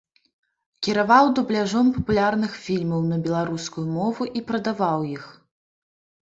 Кіраваў дубляжом папулярных фільмаў на беларускую мову і прадаваў іх.